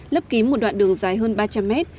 lấp kín một đoạn đường dài hơn ba trăm linh mét